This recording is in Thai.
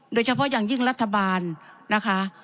โดยเฉพาะอย่างยิ่งรัฐบาลนะคะ